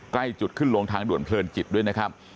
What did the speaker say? ใกล้จุดขึ้นลงทางด่วนเพลินจิตด้วยนะครับ